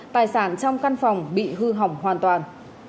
tài sản trong căn phòng bị hư hỏng hoàn toàn